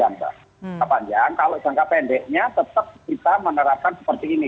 jangka panjang kalau jangka pendeknya tetap kita menerapkan seperti ini